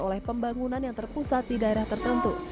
oleh pembangunan yang terpusat di daerah tertentu